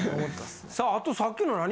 さああとさっきの何？